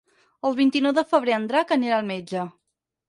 El vint-i-nou de febrer en Drac anirà al metge.